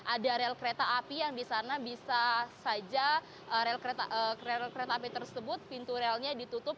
ada rel kereta api yang di sana bisa saja kereta api tersebut pintu relnya ditutup